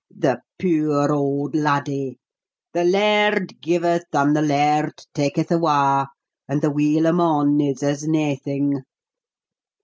"The puir auld laddie! The Laird giveth and the Laird taketh awa', and the weel o' mon is as naething."